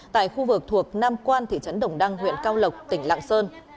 tại khu vực thuộc nam quan thị trấn đồng đăng huyện cao lộc tỉnh lạng sơn